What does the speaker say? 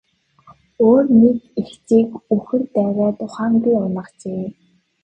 Өөр нэг эгчийг үхэр дайраад ухаангүй унагажээ.